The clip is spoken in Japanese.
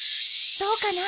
どうかな？